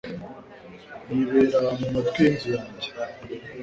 Yibera mumatwi yinzu yanjye.